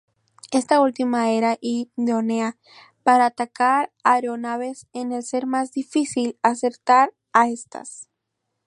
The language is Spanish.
Esta última era idónea para atacar aeronaves al ser más difícil acertar a estas.